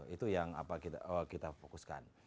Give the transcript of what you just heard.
itu yang kita fokuskan